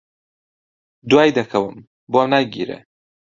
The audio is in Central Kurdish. دوای دەکەوم، بۆم ناگیرێ